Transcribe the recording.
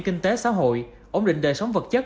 kinh tế xã hội ổn định đời sống vật chất